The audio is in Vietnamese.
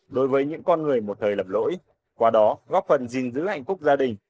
đối với những con người một thời lầm lỗi qua đó góp phần gìn giữ hạnh phúc gia đình